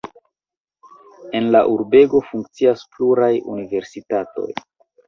En la urbego funkcias pluraj universitatoj.